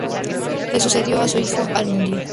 Le sucedió su hijo al-Múndir.